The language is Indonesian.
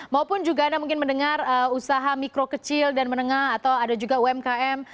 maupun juga anda mungkin mendengar usaha mikro kecil dan menengah atau ada juga umkm